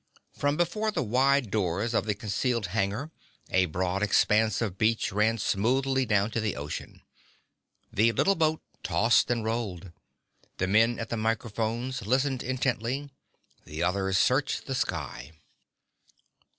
From before the wide doors of the concealed hangar a broad expanse of beach ran smoothly down to the ocean. The little boat tossed and rolled. The men at the microphones listened intently. The others searched the sky.